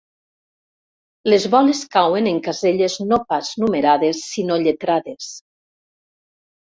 Les boles cauen en caselles no pas numerades sinó lletrades.